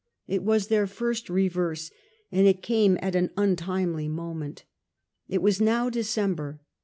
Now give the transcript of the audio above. It was their first reverse, and it came at an untimely moment It was now December.